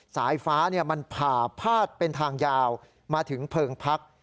สายฟ้ามันผ่าพาดเป็นทางยาวมาถึงเพลิงพัก